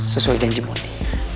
sesuai janji mondi